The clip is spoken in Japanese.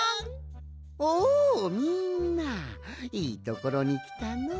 おおみんないいところにきたの。